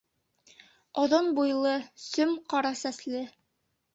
Оҙон буйлы, сөм ҡара сәсле...